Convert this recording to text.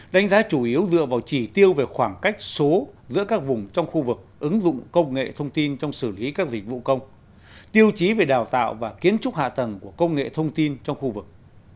đánh giá chủ yếu dựa vào chỉ tiêu về khoảng cách số giữa các vùng trong khu vực ứng dụng công nghệ thông tin trong xử lý các dịch vụ công tiêu chí về đào tạo và kiến trúc hạ tầng của công nghệ thông tin trong khu vực